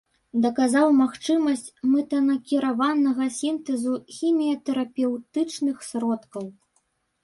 Даказаў магчымасць мэтанакіраванага сінтэзу хіміятэрапеўтычных сродкаў.